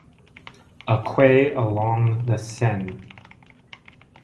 A quay along the Seine.